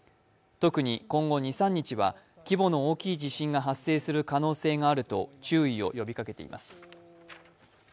特に今後二、三日は規模の大きい地震が発生する可能性があると注意を呼びかけています。